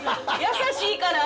優しいから。